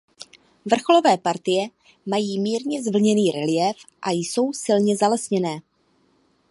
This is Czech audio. Vrcholové partie mají mírně zvlněný reliéf a jsou silně zalesněné.